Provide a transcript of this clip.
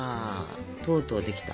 とうとうできた。